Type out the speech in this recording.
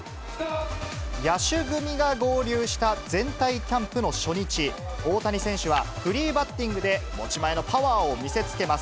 野手組が合流した全体キャンプの初日、大谷選手はフリーバッティングで、持ち前のパワーを見せつけます。